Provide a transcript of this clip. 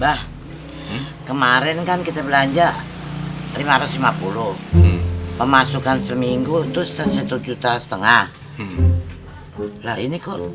lah kemarin kan kita belanja lima ratus lima puluh pemasukan seminggu itu satu juta setengah lah ini kok